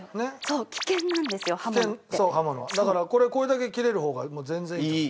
だからこれこれだけ切れる方が全然いいと思う。